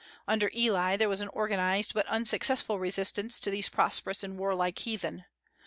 Under Eli there was an organized but unsuccessful resistance to these prosperous and warlike heathen.